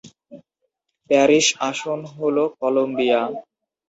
Parish আসন হল Colombia.